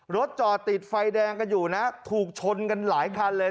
จอดติดไฟแดงกันอยู่นะถูกชนกันหลายคันเลย